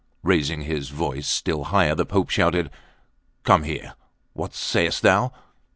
Raising his voice still higher, the Pope shouted: "Come here; what say'st thou?"